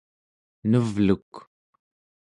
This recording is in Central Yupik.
nevluk